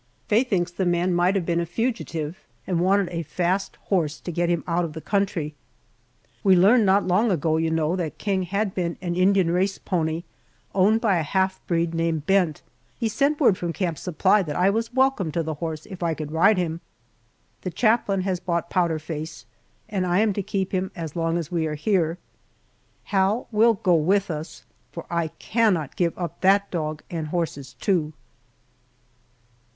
Faye thinks the man might have been a fugitive and wanted a fast horse to get him out of the country. We learned not long ago, you know, that King had been an Indian race pony owned by a half breed named Bent. He sent word from Camp Supply that I was welcome to the horse if I could ride him! The chaplain has bought Powder Face, and I am to keep him as long as we are here. Hal will go with us, for I cannot give up that dog and horses, too.